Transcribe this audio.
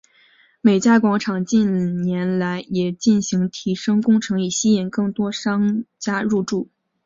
美嘉广场近年来也进行提升工程以吸引更多商家入住。